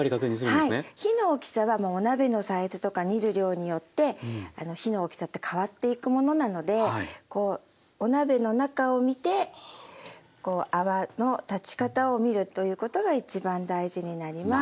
火の大きさはお鍋のサイズとか煮る量によって火の大きさって変わっていくものなのでお鍋の中を見て泡の立ち方を見るということが一番大事になります。